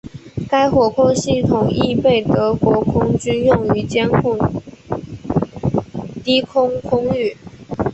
该火控系统亦被德国空军用于监控低空空域。